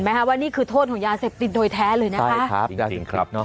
เบิร์ตลมเสียโอ้โหเบิร์ตลมเสียโอ้โห